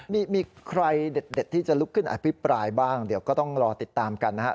มีใครเด็ดที่จะลุกขึ้นอภิปรายบ้างเดี๋ยวก็ต้องรอติดตามกันนะครับ